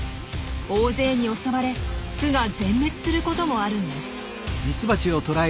大勢に襲われ巣が全滅することもあるんです。